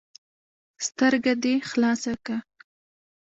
ـ سترګه دې خلاصه که.